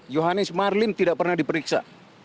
johannes smarlem tidak pernah diperiksa